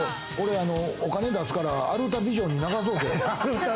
お金出すからアルタビジョンに流そう。